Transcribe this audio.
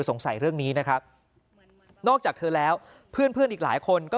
สงสัยเรื่องนี้นะครับนอกจากเธอแล้วเพื่อนเพื่อนอีกหลายคนก็